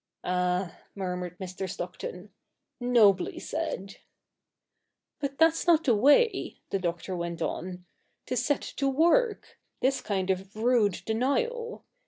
' Ah,' murmured Mr. Stockton, ' nobly said !'' But that's not the way,' the Doctor went on, ' to set to work — this kind of rude denial.